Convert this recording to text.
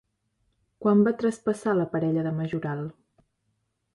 Quan va traspassar la parella de Majoral?